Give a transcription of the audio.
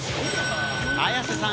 綾瀬さん